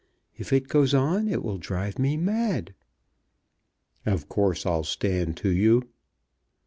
If it goes on it will drive me mad." "Of course I'll stand to you."